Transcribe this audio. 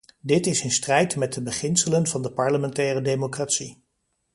Dit is in strijd met de beginselen van de parlementaire democratie.